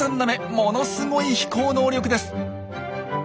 ものすごい飛行能力です。